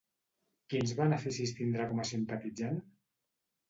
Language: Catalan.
Quins beneficis tindrà com a simpatitzant?